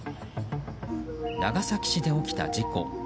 長崎市で起きた事故。